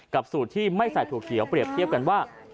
สูตรที่ไม่ใส่ถั่วเขียวเปรียบเทียบกันว่า